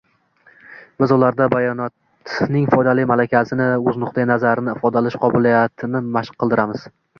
biz ularda bayonotning foydali malakasini, o‘z nuqtai nazarini ifodalash qobiliyatini mashq qildiramiz